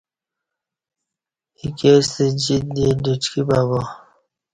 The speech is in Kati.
ایکے ستہ جیت دی ڈٹکی ببا